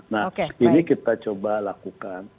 nah ini kita coba lakukan